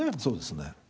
そうですね。